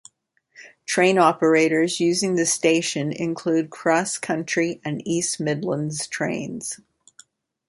Train operators using the station include CrossCountry and East Midlands Trains.